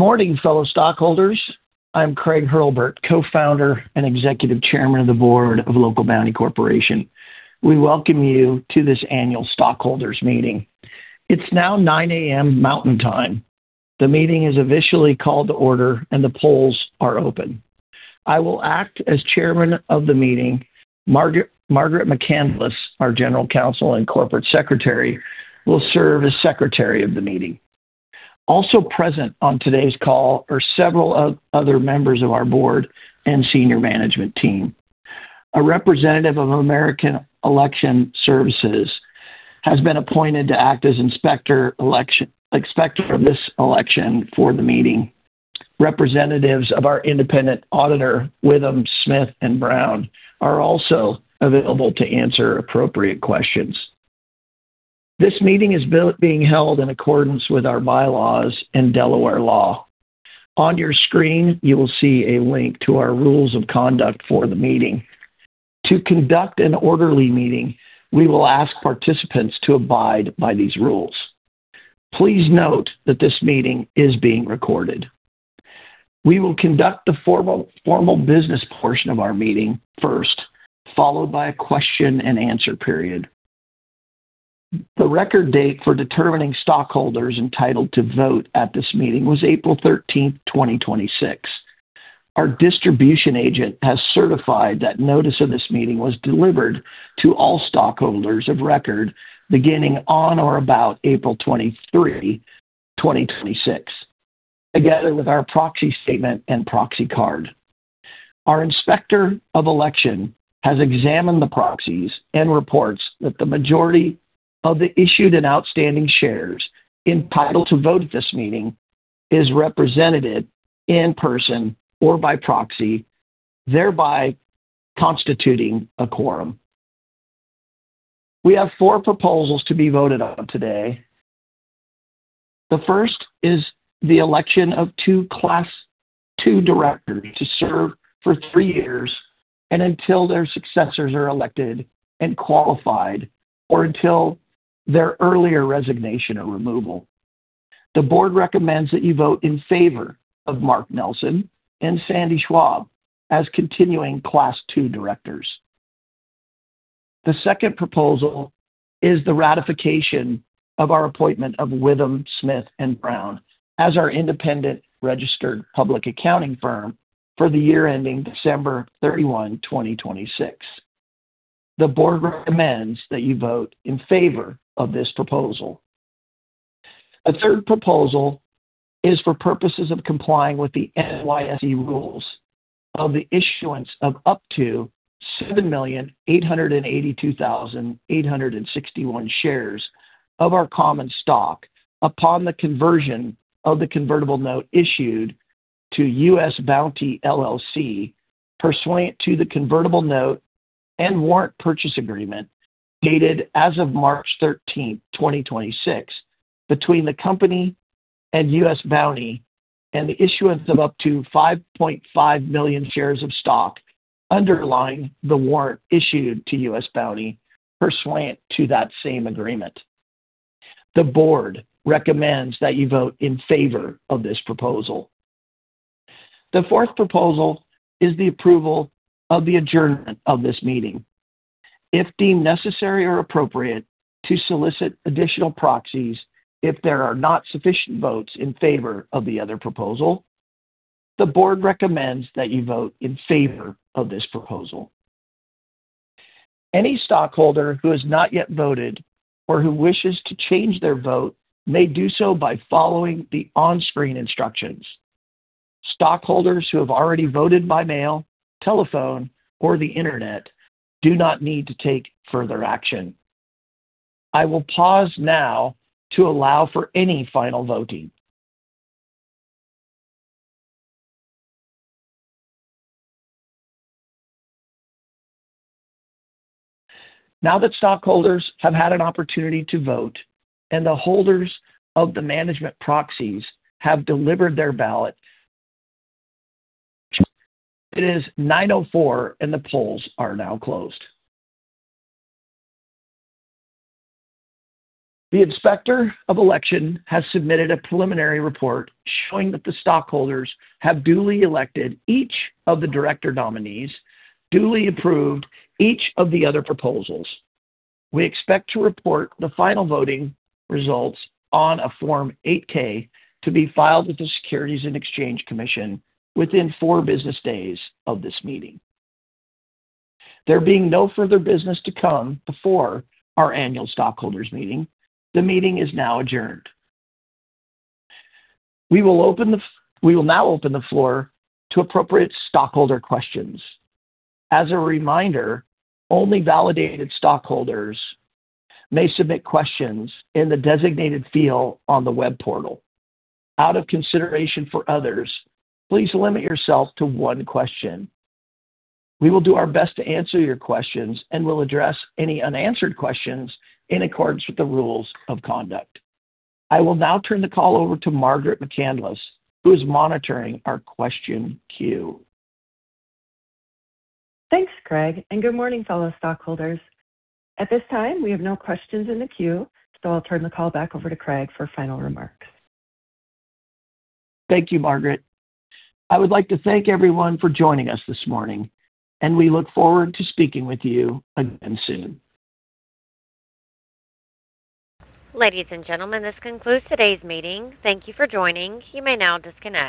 Good morning, fellow stockholders. I'm Craig Hurlbert, co-founder and Executive Chairman of the board of Local Bounti Corporation. We welcome you to this annual stockholders meeting. It's now 9:00 A.M. Mountain Time. The meeting is officially called to order and the polls are open. I will act as chairman of the meeting. Margaret McCandless, our general counsel and corporate secretary, will serve as secretary of the meeting. Also present on today's call are several other members of our board and senior management team. A representative of American Election Services has been appointed to act as inspector of this election for the meeting. Representatives of our independent auditor, WithumSmith+Brown, are also available to answer appropriate questions. This meeting is being held in accordance with our bylaws and Delaware law. On your screen, you will see a link to our rules of conduct for the meeting. To conduct an orderly meeting, we will ask participants to abide by these rules. Please note that this meeting is being recorded. We will conduct the formal business portion of our meeting first, followed by a question-and-answer period. The record date for determining stockholders entitled to vote at this meeting was April 13, 2026. Our distribution agent has certified that notice of this meeting was delivered to all stockholders of record beginning on or about April 23, 2026, together with our proxy statement and proxy card. Our inspector of election has examined the proxies and reports that the majority of the issued and outstanding shares entitled to vote at this meeting is represented in person or by proxy, thereby constituting a quorum. We have four proposals to be voted on today. The first is the election of two Class II directors to serve for three years and until their successors are elected and qualified, or until their earlier resignation or removal. The board recommends that you vote in favor of Mark Nelson and Sandy Schwab as continuing Class II directors. The second proposal is the ratification of our appointment of WithumSmith+Brown as our independent registered public accounting firm for the year ending December 31, 2026. The board recommends that you vote in favor of this proposal. A third proposal is for purposes of complying with the NYSE rules of the issuance of up to 7,882,861 shares of our common stock upon the conversion of the convertible note issued to U.S. Bounti, LLC, pursuant to the convertible note and warrant purchase agreement dated as of March 13, 2026, between the company and U.S. Bounti, and the issuance of up to 5.5 million shares of stock underlying the warrant issued to U.S. Bounti pursuant to that same agreement. The board recommends that you vote in favor of this proposal. The fourth proposal is the approval of the adjournment of this meeting, if deemed necessary or appropriate to solicit additional proxies if there are not sufficient votes in favor of the other proposal. The board recommends that you vote in favor of this proposal. Any stockholder who has not yet voted or who wishes to change their vote may do so by following the on-screen instructions. Stockholders who have already voted by mail, telephone, or the Internet do not need to take further action. I will pause now to allow for any final voting. Now that stockholders have had an opportunity to vote and the holders of the management proxies have delivered their ballot, it is 9:04, and the polls are now closed. The inspector of election has submitted a preliminary report showing that the stockholders have duly elected each of the director nominees, duly approved each of the other proposals. We expect to report the final voting results on a Form 8-K to be filed with the Securities and Exchange Commission within four business days of this meeting. There being no further business to come before our annual stockholders meeting, the meeting is now adjourned. We will now open the floor to appropriate stockholder questions. As a reminder, only validated stockholders may submit questions in the designated field on the web portal. Out of consideration for others, please limit yourself to one question. We will do our best to answer your questions and will address any unanswered questions in accordance with the rules of conduct. I will now turn the call over to Margaret McCandless, who is monitoring our question queue. Thanks, Craig, and good morning, fellow stockholders. At this time, we have no questions in the queue, I'll turn the call back over to Craig for final remarks. Thank you, Margaret. I would like to thank everyone for joining us this morning. We look forward to speaking with you again soon. Ladies and gentlemen, this concludes today's meeting. Thank you for joining. You may now disconnect.